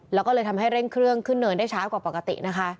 และทำให้เร่งเครื่องขึ้นเหนินได้ช้ากว่าปกติ